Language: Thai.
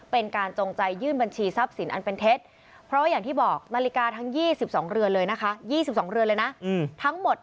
เป็นการจงใจยื่นบัญชีทรัพย์สินอันเป็นเท็จ